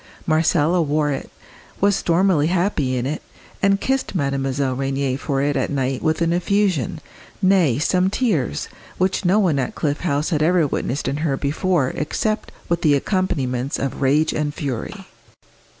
Marcella wore it, was stormily happy in it, and kissed Mademoiselle Rénier for it at night with an effusion, nay, some tears, which no one at Cliff House had ever witnessed in her before except with the accompaniments of rage and fury.